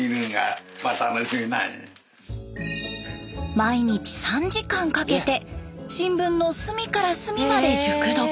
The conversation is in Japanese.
毎日３時間かけて新聞の隅から隅まで熟読。